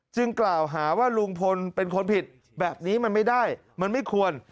กล่าวหาว่าลุงพลเป็นคนผิดแบบนี้มันไม่ได้มันไม่ควร